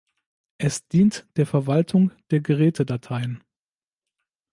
Es dient der Verwaltung der Gerätedateien.